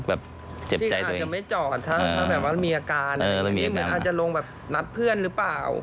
อาจจะไม่จอดถ้ามีอาการอาจจะลงนัดเพื่อนหรือเปล่า